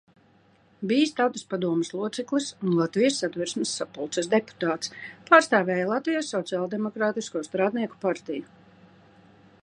Bijis Tautas padomes loceklis un Latvijas Satversmes sapulces deputāts, pārstāvēja Latvijas Sociāldemokrātisko strādnieku partiju.